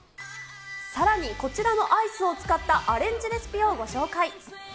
さらに、こちらのアイスを使ったアレンジレシピをご紹介。